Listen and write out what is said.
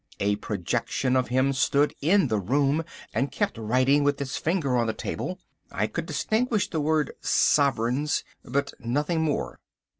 A projection of him stood in the room, and kept writing with its finger on the table. I could distinguish the word 'sovereigns,' but nothing more."